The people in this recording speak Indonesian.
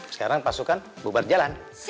sekarang pasukan bubar jalan